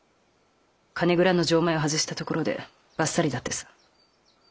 金蔵の錠前を外したところでばっさりだってさ。